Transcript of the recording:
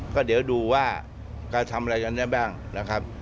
ก็เดี๋ยวดูว่ากระทำอะไรกันได้บ้างนะครับ